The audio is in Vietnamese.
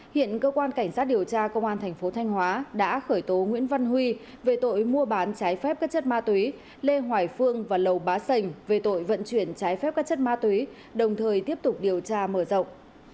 hiện cơ quan cảnh sát điều tra công an thành phố thanh hóa đã khởi tố nguyễn văn huy về tội mua bán trái phép các chất ma túy lê hoài phương và lầu bá sành về tội vận chuyển trái phép các chất ma túy đồng thời tiếp tục điều tra mở rộng